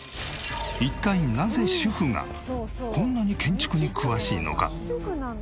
一体なぜ主婦がこんなに建築に詳しいのか？